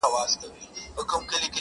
تر قیامته ورته نه سم ټینګېدلای-